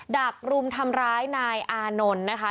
ดักรุมทำร้ายนายอานนท์นะคะ